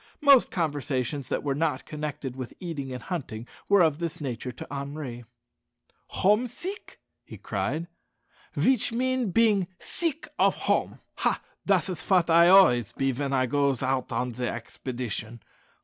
Most conversations that were not connected with eating and hunting were of this nature to Henri. "Hom' sik," he cried, "veech mean bein' sik of hom'! Hah! dat is fat I am always be, ven I goes hout on de expedition.